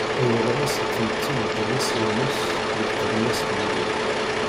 Rewleɣ-as i tmetti yeǧan asirem-is deg tlemmast n ubrid.